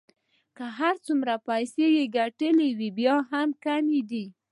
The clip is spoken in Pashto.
که هر څومره پیسې يې ګټلې وې بیا هم کمې دي.